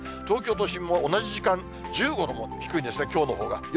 東京都心も同じ時間、１５度も低いんですね、きょうのほうが。